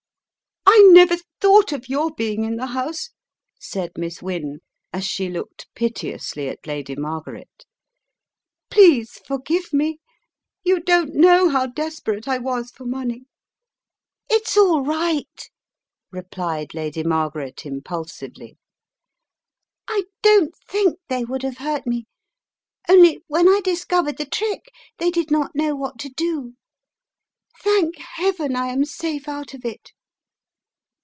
"I never thought of your being in the house," said Miss Wynne, as she looked piteously at Lady Margaret; "please forgive me! You don't know how desperate I was for money." "It's all right," replied Lady Margaret, impulsively. " I don't think they would have hurt me, only when I discovered the trick, they did not know what to do. Thank Heaven I am safe out of it."